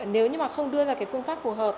nếu như mà không đưa ra cái phương pháp phù hợp